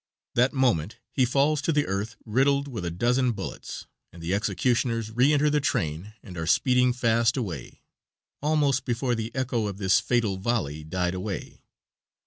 That moment he falls to the earth riddled with a dozen bullets, and the executioners re enter the train and are speeding fast away, almost before the echo of this fatal volley died away.